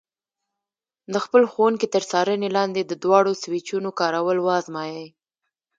د خپل ښوونکي تر څارنې لاندې د دواړو سویچونو کارول وازمایئ.